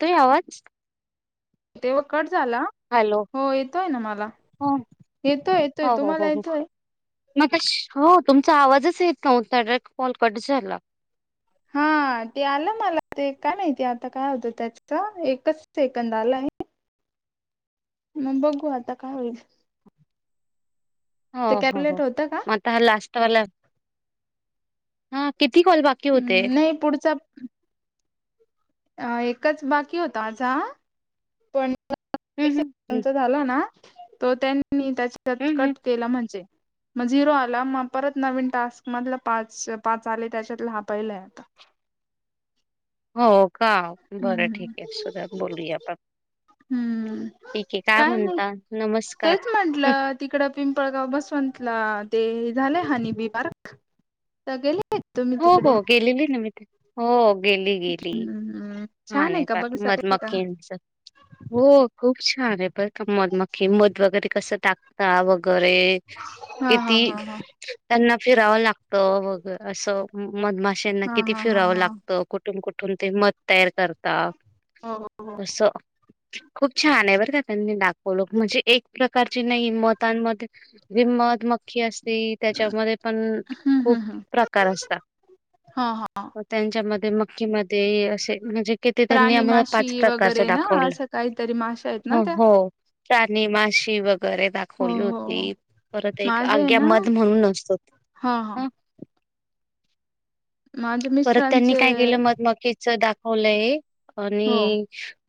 तोय आवाज? तेव्हा कट झाला. हॅलो हो येतोय ना मला. हो येतोय येतोय. हो हो तुम्हाला हो हो येतोय? मगाशी हो तुमचा आवाजच येत नव्हता डायरेक्ट कॉल कट झाला. हां ते आलं मला ते काय माहिती आता काय होतं त्याच एकच सेकंद आलं आहे. मग बघू आता काय होईल? ते हो हो हो कॅल्क्युलेट होतं का मता ह लास्ट वाला हां किती कॉल बाकी? होते हम्म नाही पुढचा अ एकच बाकी होता माझा पण हम्म हम्म हम्म झालं ना तो त्यांनी त्याच्यात हम्म हम्म. कट केला म्हणजे. मग झिरो आला मग परत नवीन टास्क मधलं पाच पाच आले त्याच्यातला ह पाहिलाय आता. हो का बरं ठीक हम्म आहे असु द्यात बोलूया आपण. हम्म. ठीक आहे. काय म्हणता? नमस्कार. हं, तिकड पिंपळगाव बसवंतला ते झालंय हनी बी पार्क तर गेले तुम्ही हो तिकडे हो गेलेली ना मी ते हो गेली गेली. हम्म छान आहे हानी का पार्क बघायसाठी मध आहे का मखीनच. हो खूप छान आहे बरका म मध वगैरे कसं टाक ता वगैरे हा हा किती हा हा त्यांना फिरावं लागतं वग असं मधमाश्यांना हा किती हा हा फिरावं हा लागतं? कुठून कुठून ते मध तयार करतात हो हो असं. खूप छान आहे बरं का त्यांनी दाखवल म्हणजे एक प्रकारची नाही मतांमध्ये [unintelligible] मत मग खी असती त्याच्यामध्ये पण हम्म खूप हम्म हम्म प्रकार असतात. हा हा मग त्यांच्यामध्ये मग किंवा ते असे म्हणजे किती त्यांनी राणी आम्हाला माशी पाच प्रकारच्या वगैरे ना दाखवल्या असं काहीतरी माशा आहेत ना हो त्या हो. राणी माशी वगैरे दाख हो खली हो हो होती परत एक माझे आहे आग्या ना मध म्हणून असतो तो हा हा अं माझे परत त्यांनी मिस्टरांचे काय केलं मध मख्खी दाखवलंय हो आणि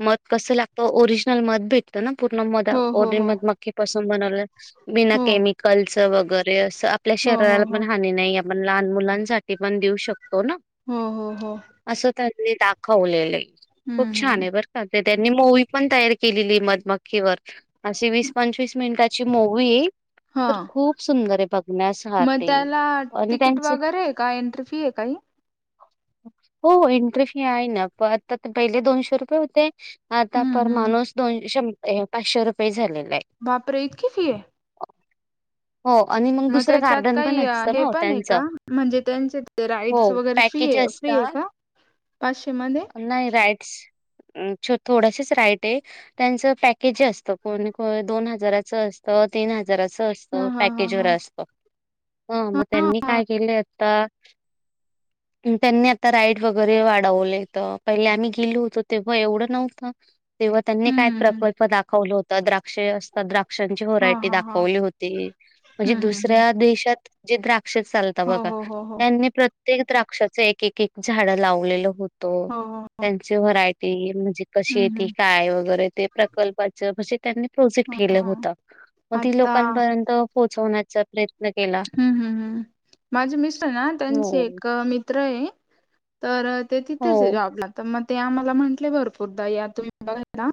मध कसं लागत ओरिजिनल मध भेट तो ना पूर्ण मध हो हो हो [unintelligible] मखी पासून बनवलेलं बिना हो केमिकल, कल्च वगैरे असं आपल्या हो हो शरीराला हो पण हानी नाही आपण लहान मुलांसाठी पण देऊ शकतो ना. हो हो हो. असं त्यांनी दाखवलेलं आहे हम्म खूप छान हम्म आहे बर. त्यांनी मुव्ही पण तयार केलेली आहे मध मक्खीवर. अशी वीस पंचवीस मिनिटाची मुव्ही. हा तर खूप सुंदर आहे बघण्या सा मग त्याला तिकीट वगैरे. का एंट्री फी आहे काही? हो एंट्री फी आहे ना प आता पहिले दोनशे रुपये होते. आता पर हम्म हम्म माणूस दोन शं पाचशे रुपये झालेले आहे. बाप रे इतकी फी आहे. हो आणि मग दुसरं त्याच्यात गार्डन पण काही असतं ना हे हो पण आहे त्यांचं का म्हणजे त्याचे राईड हो वगैरे फ्री पॅकेज आहे? फी आहे असतात. का पाचशेमध्ये? नाही राईटस छो थोडसच राईट आहे. त्यांच पॅकेज असत को दोन हजाराचं असतं तीन हजार हजाराचा असत हा हा हा हा पॅकेजवर असत हम्म मग त्यांनी काय केलय आता त्यांनी आता राईड वगैरे वाढवले. पहिले आम्ही गेलो होतो तेव्हा एवढं नव्हतं तेव्हा त्यांनी हम्म काय हम्म हम्म प्रकल्प दाखवला होत. द्राक्ष असतात द्राक्षांची हा व्हरायटी हा हा दाखवली होती म्हणजे हम्म हम्म हम्म दुसऱ्या देशात जे द्राक्ष चालतात हो बघा हो हो हो त्यांनी प्रे प्रत्येक द्राक्षाच एक एक झाड लावलेल होत हो हो त्यांची व्हरायटी म्हणजे कशी हम्म आहे त हम्म काय वगैरे ते प्रकल्पाच म्हजे त्यांनी प्रोजेक्ट केलं हा होत. मग ती आता लोकांपर्यंत पोहोचवण्याच चा प्रयत्न केला. हम्म हम्म हम्म माझी मिस्टर ना त्यांचे हो एक मित्र आहे तर ते हो तिथेच आहे जॉबला तर मग ते आम्हाला म्हटले भरपूरदा या तुम्ही बघायला.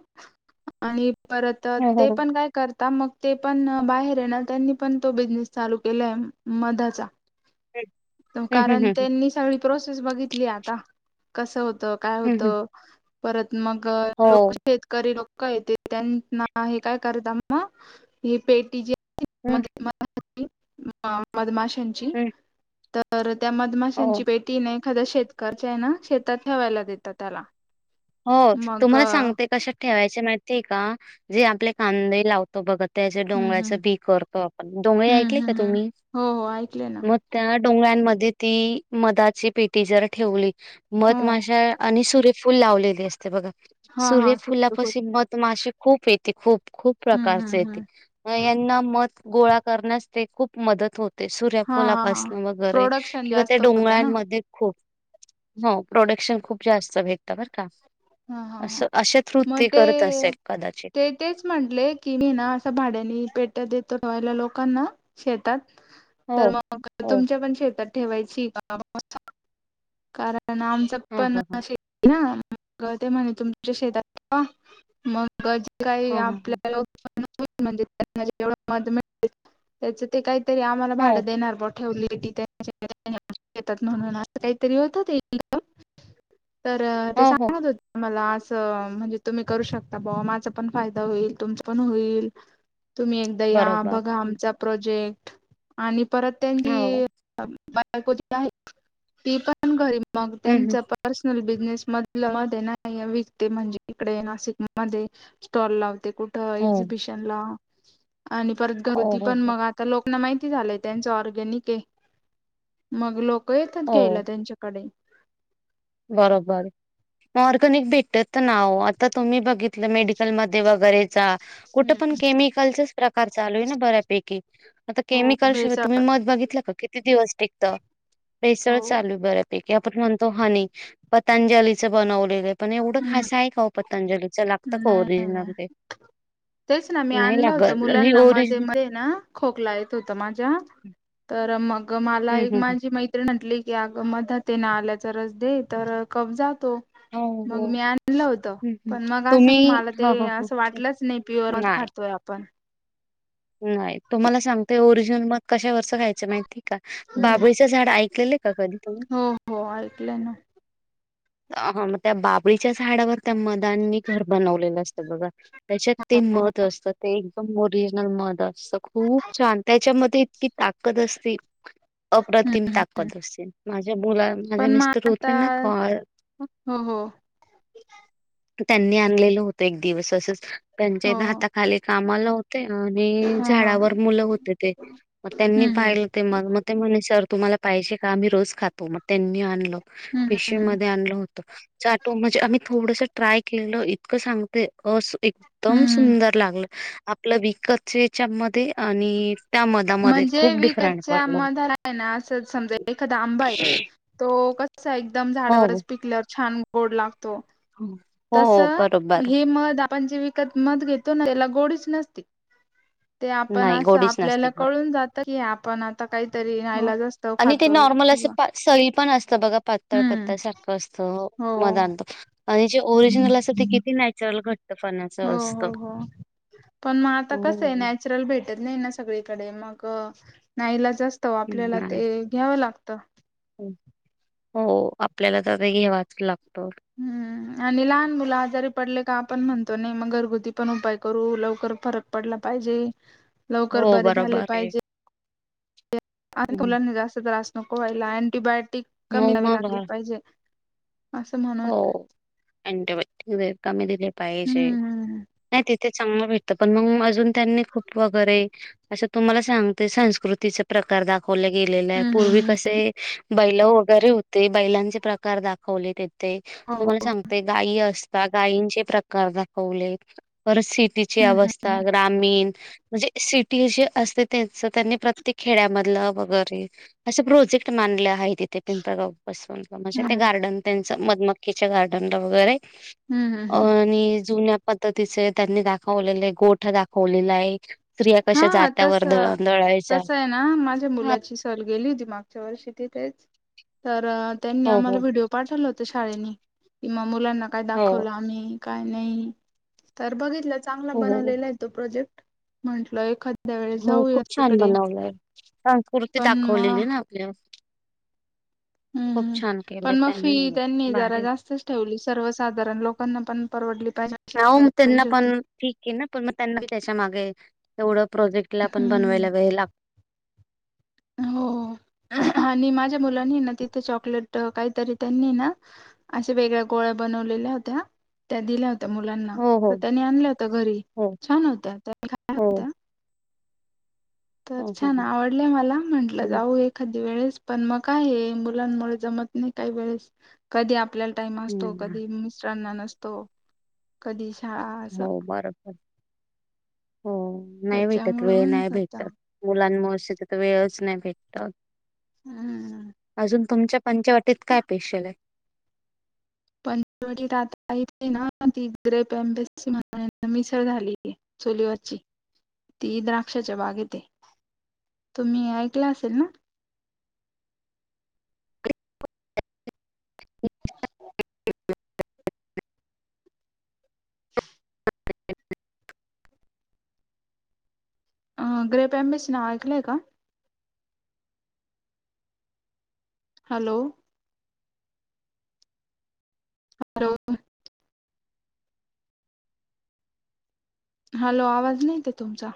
आणि परत हो हो ते हो. पण काय करता मग ते पण बाहेर ये ना त्यांनी पण तो बिझनेस चालू केलाय मधाचा. हम्म हम्म कारण हम्म. त्यांनी सगळी प्रोसेस बघितली आता कसं होतं काय हं, होत. हं. परत मग हो. लोक शेतकरी लोक, का येत त्यांना हे काय करत मग ही पेटी जी आहे हं, न [unintelligible] म मधमाशांची. हं. तर त्या हो, मधमाशांची पेटी नाही एखाद्या शेतकच्या आहे ना शेतात ठेवायला देतात त्याला. हो मग तुम्हाला हम्म सांगते कशात ठेवायचे माहितीय का जे आपले कांदे लाव तो बघत त्याच्या हम्म डोंगळ्याचं बी करतो आपण, डोंगळे हम्म ऐकले का हम्म हम्म तुम्ही? हो हो ऐकले ना मग- त्या डोंगळ्यांमध्ये ती मधाची पेटी जर ठेवली हो मध माशा- आणि सूर्यफुल लावलेली असते बघा हा हा सूर्यफुलापशी मध- माशी खूप येते खूप खूप हम्म प्रकारचे हम्म येते हम्म यांना मध, गोळा करण्यास ते खूप मदत होते. सूर्या हा हा हा फुलापासून वगैरे प्रोडक्शन किंवा त्या जास्त होत ना डोंगळांमध्ये खूप, हो प्रोडक्शन खूप जास्त भेटत बर का. हा हा हा असं आशा थ्रुत मग ते करत असेल कदाचित. ते तेच म्हटले की मी ना असं भाड्यानी पेट्या देतो ठेवायला लोकांना शेतात. हो, तर मग हो. तुमच्या पण शेतात ठेवायची का मग? कारण आमच्यात हां, पण हां, हां. शेती- ना म ते म्हणे तुमच्या शेतात ठेवा मग. जे काही हां, हां, हां. आपल्या म्हणजे त्यांना जेवढं मध मिळेल. [inaudible] त्याचं ते काहीतरी आम्हाला हो, भाडं देणार. ठेवलीेतात म्हणून असं काहीतरी होतात. [unintelligible] तर ते हो, हो. सांगत होते- मला असं म्हणजे तुम्ही करू शकता ब माझ पण फायदा होईल तुमच पण होईल. तुम्ही एकदा या बरोबर. बघा आमचा प्रोजेक्ट आणि परत हं, त्यांनी, हो. बायको आहे ती पण घरी मग हं, त्यांच हं. पन. [unintelligible] पर्सनल बिझनेस मधलं मध्ये नाही विकते म्हणजे इकडे नाशिक मध्ये- स्टॉल लावते कुठ हो. एक्झिबिशन ला आणि परत हो, घरती हो, पण हो. मग आ- तर लोकांना माहिती झालंय त्यांचं ऑर्गॅनिक आहे, मग लोक येतात घायला. हो, त्यांच्याकडे बरोबर. मऑर्गनिक भेटत नाव आता तुम्ही बघितलं मेडिकलमध्येध्ये वगैरेचा, कुठं पण केमिकलचाच प्रकार चालू आहे ना बऱ्यांपैकी. आता हो केमिकल शिवाय भेसळ तुम्ही मध बघितलं का किती दिवस टिकत भेसळ हो चालू आहे बऱ्यापैकी. की आपण म्हणतो हानी पतंजलीच बनवलेलं. पण एवढं हम्म खासं आहे का ओ पतंजलीचं लागतं का नाही ओरिजिनल नाही ते, तेच ना मी नाही आणलं होतं लागत आणि मुलांना मध्ये ओरिजनल. मध्ये ना खोकला येत होत माझ्या तर मग मला एक हम्म हम्म माझी मै- त्रीण म्हटली की अग मध ते ना आल्याचा रस दे तर कब जातो. हो मग हो मी आणलं होत हम्म हम्म पण मग असं तुम्ही मला ते हा हा हा असं ठीक वाटलंच नाही प्युअर म नाही खातोय आपण, पण [inaudible] नाही तुम्हाला सांगतेय ओरिजिनल मध कशावरच खायचं माहिती का बाबळी- झाड ऐकलेले का कधी? हो हो ऐकलं ना. आ हा मग त्या बाबळीच्या झाडावर त्या मदांनी घर बनवलेलं असतं बघा. त्याच्यात ते मध असतं ते- ओरिजनल मध असतं खूप छान त्याच्यामध्ये इतकी ताकद असते. अप्रतिम ताकद असते, माझ्या मुला माझे मिस्टर होते ना- ह ह त्यांनी आणलेल होत एक दिवस अस हो त्यांच्या हो हाताखाली- कामाला होते आणि ह ह झाडावर मुलं होते ते त्यांनी हम्म हम्म पाहि- ते मग ते म्हणे सर तुम्हाला पाहिजे का? आम्ही रोज खातो मग त्यांनी आणलं हम्म पिशवी मध्ये - म्हणजे आम्ही थोडस ट्राय केलं इतकं सांगते अस एकदम हम्म हम्म सुंदर लागलं आपलं विकत याच्यामध्ये आणि त्या मधामध्ये म्हणजे खूप डिफरंट विकतच्या वाटलं मधार आहे ना असं समजा एखादा आंबा आहे तो कसा एकदम हो झाडावरच पिकल्यावर छान ड लागतो तस हो बरोबर हे म आपण जे विकत मध घेतो ना त्याला गोडीच नसती ते आपण नाही असं गोडीच आपल्याला नसते क बर जात क आपण काहीतरी नाईलाज असतो आणि ते खातोय नॉर्मल किंवा असं सळी पण असतं बघा पातळ हम्म पळ सारखं असतं हो म आणतो आणि जे ओरिजिनल असं ते किती नॅचरल घट हो हो हो पण मग आता कस हो आहे चरल भेटत नाही ना सगळीकडे मग नाहीला जास्त ह [unintelligible] हो आपल्याला तरी घेवाच लागतो हम्म आणि लहान मुलं आजारी पडले का आपण म्हणतो नाही मग घरगुती पण उपाय करू लवकर फरक पडला पाहिजे लवकर हो बरे बरोबर झाले आहे पाहिजे हं. मुलांना जास्त त्रास नको व्हायला अँटीबायोटिक कमी हो जावे मग लागले पाहिजे असं म्हणून हो कमी दिले पाहिजे हम्म नाही [unintelligible] ते चांगलं भेटतं पण मग अजून त्यांनी खूप वगैरे असं तुम्हाला सांगते संस्कृतीच. प्रकार दाखवले गेलेला आहे हम्म पूर्वी हम्म कसे बैल वगैरे होते बैलांचे प्रकार दाखवले हो तुम्हाला हो सांगते गायी असत गायींचे प्रकार दाखवले शेतीचे हम्म हम्म अवस्था ग्रामीण म्हणजे सिटी जे असते, त्याच त्यांनी प्रत्येक खेड्यामधलं वगैरे असे प्रोजेक्ट मानले हाय ते ते पिंपळगाव बसवल का म्हंजे ते हम्म गार्डन त्यांचं मधमक्कीचे गार्डनला वगैरे. हम्म हम्म हम्म अआणि जुन्या पद्धतीचे त्यांनी दाखवलेले गोठ दाखवलेला आहे एक. स्त्रिया कशा हा तस जात्यावर दळण दळायच्या. हां काल गेली होती मागच्या वर्षी तिथेच, तरअ त्यांनी हो आम्हाला हो व्हिडओ पाठवलं होतं शाळेनी तुम्हा मुलांना काय हो दाखवलं आम्ही काय नाही. तर बघितलं चांगला हो हो बनवलेला आहे तो प्रोजेक्ट. म्हंटलं एखाद हो खूप छान बनवलंय. संस्कृती पण मग दाखवलेली ना आपल्यावर. हंम हंम, छान केलं पण मग फी त्यांनी जरा भारी जास्तच ठेवली सर्वसाधारण लोकांना पण परवडली पाहिजे. अशी ह म ठेवायला तेना पाहिजे पण होती ठीके ना पण मग त्यांना त्याच्या मागे तेवढं प्रोजेक्टला पण हम्म बनवायला वळ लागत हो आणि माझ्या मुलांनी ना तिथे चॉकलेट काहीतरी त्यांनी ना अशा वेगळ्या गोळ्या बनवलेल्या होत्या त्या दिल्या होत्या त्या मुलांना, हो तर हो त्यांनी आणल्या होत्या घरी, हो छान होत्या. त्यानी आणल्या हो होत्या. तर हो हो छान हो आवडल्या मला, म्हंटलं हम्म जाऊ एखाद वेळेस. पण मग काय आहे मुलांनमुळे जमत नाही काही वेळेस ह. कधी आपल्याला टाइम असतो हम्म कधी मिस्टरांना नसतो, कधी शाळा असं हो बरोबर, हो नाही भेटत त्याच्यामुळे वेळ होऊन नाही जात भेटत. मुलांमुळे सतत वेळच नाही भेटत. हम्म अजून तुमच्यात पंचवटीत काय पेशल आहे? पंचवटीत आता इथे ना ती ग्रेट बाॅंबेची [unintelligible] मिसळ झाली. चुलीवरची ती द्राक्षाच्या बागेत आहे. तुम्ही ऐकलं असेल ना? [unintelligible] [unintelligible] [unintelligible] ना ग्रेप एम्बस नाव ऐकलंय का? हॅलो! [unintelligible] हॅलो! आवाज नाही येत आहे तुमचा.